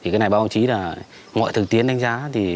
cái này báo chí là mọi thực tiến đánh giá